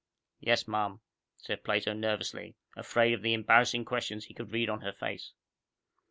"Yes, ma'am," said Plato nervously, afraid of the embarrassing questions he could read on her face.